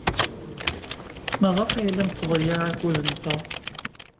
Maɣef ay la nettḍeyyiɛ akud-nteɣ?